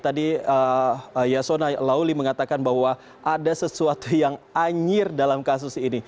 tadi yasona lauli mengatakan bahwa ada sesuatu yang anjir dalam kasus ini